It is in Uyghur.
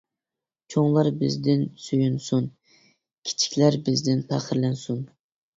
چوڭلار بىزدىن سۆيۈنسۇن، كىچىكلەر بىزدىن پەخىرلەنسۇن!